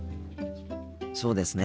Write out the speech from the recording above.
そうですね。